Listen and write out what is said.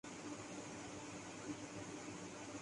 پاکستان دو لخت کیا ہو اسے یوم دفاع منانے کا کوئی حق نہیں ہے